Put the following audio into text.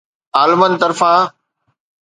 عالمن طرفان